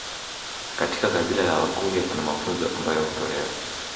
Katika kabila la wakurya kuna mafunzo ambayo hutolewa